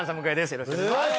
よろしくお願いします。